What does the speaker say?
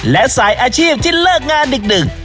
และสายอาชีพที่เลิกงานดึก